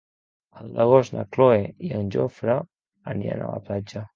El deu d'agost na Cloè i en Jofre aniran a la platja.